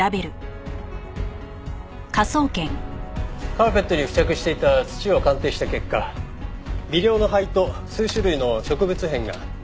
カーペットに付着していた土を鑑定した結果微量の灰と数種類の植物片が検出できました。